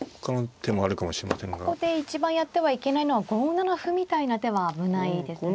ここで一番やってはいけないのは５七歩みたいな手は危ないですね。